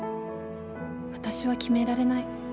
私は決められない。